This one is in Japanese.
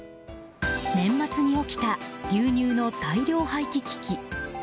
年末に起きた牛乳の大量廃棄危機。